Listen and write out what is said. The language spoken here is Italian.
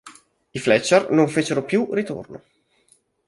I Fletcher non fecero più ritorno.